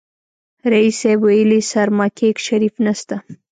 ريس صيب ويلې سرماکيک شريف نسته.